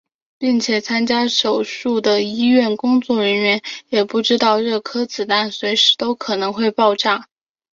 并且参加手术的医院工作人员也不知道这颗子弹随时都可能会爆炸。